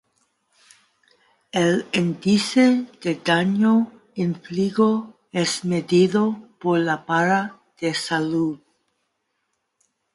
El índice de daño infligido es medido por la barra de salud.